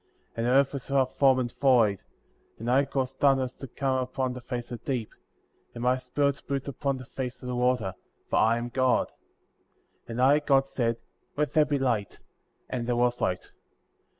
And the earth was without form, and void; and I caused darkness to come up upon the face of the deep ; and my Spirit moved upon the face of the water; for I am God. 3. And I, God, said : Let there be light ; and there was light.